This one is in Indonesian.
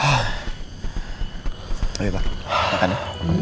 oke pak makan ya